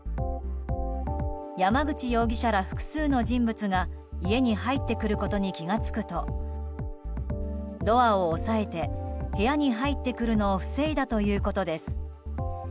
山口容疑者ら複数の人物が家に入ってくることに気が付くとドアを押さえて部屋に入ってくるのを防いだということです。